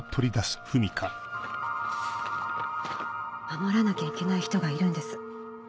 守らなきゃいけない人がいるんです。